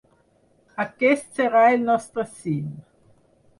Aquest serà el nostre cim.